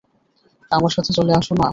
আমার সাথে চলে আসো না?